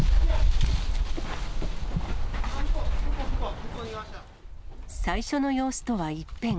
向こう、最初の様子とは一変。